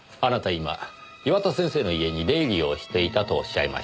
今岩田先生の家に出入りをしていたと仰いました。